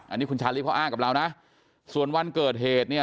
อันนี้คุณชาลีเขาอ้างกับเรานะส่วนวันเกิดเหตุเนี่ย